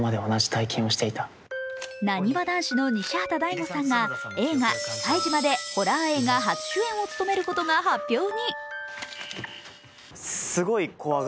なにわ男子の西畑大吾さんが映画「忌怪島／きかいじま」でホラー映画初主演を務めることが発表に。